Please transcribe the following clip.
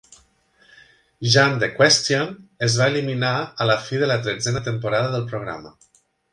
"Jump the Question" es va eliminar a la fi de la tretzena temporada del programa.